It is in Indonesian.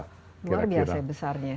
luar biasa besarnya